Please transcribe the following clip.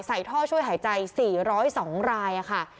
ท่อช่วยหายใจ๔๐๒รายค่ะ